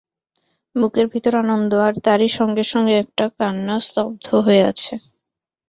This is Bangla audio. বুকের ভিতর আনন্দ, আর তারই সঙ্গে সঙ্গে একটা কান্না স্তব্ধ হয়ে আছে।